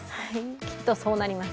きっとそうなります。